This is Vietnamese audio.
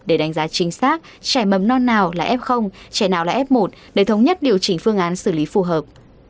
để đánh giá chính xác trẻ mầm non nào là f trẻ nào là f một để thống nhất điều chỉnh phương án xử lý phù hợp